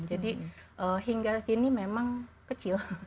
jadi hingga kini memang kecil